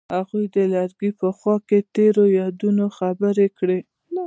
هغوی د لرګی په خوا کې تیرو یادونو خبرې کړې.